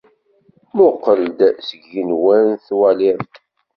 Muqqel-d seg yigenwan twaliḍ-d.